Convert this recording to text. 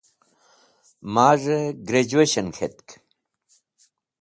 Maz̃hey Graduation K̃hetk.